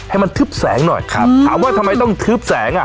ให้มันทึบแสงหน่อยครับถามว่าทำไมต้องทึบแสงอ่ะ